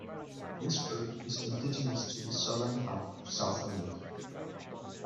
This bird is indigenous to the southern part of South America.